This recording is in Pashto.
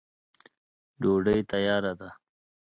ډوډی تیاره ده.